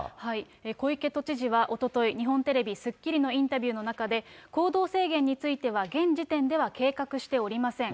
小池都知事はおととい、日本テレビ、スッキリのインタビューの中で、行動制限については現時点では計画しておりません。